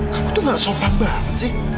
tapi tuh gak sopan banget sih